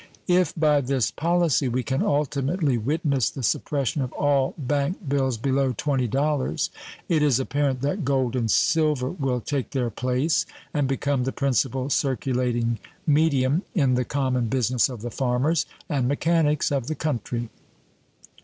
If by this policy we can ultimately witness the suppression of all bank bills below $20, it is apparent that gold and silver will take their place and become the principal circulating medium in the common business of the farmers and mechanics of the country.